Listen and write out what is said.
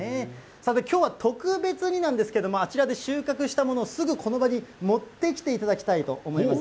さて、きょうは特別になんですけれども、あちらで収穫したものをすぐこの場に持ってきていただきたいと思います。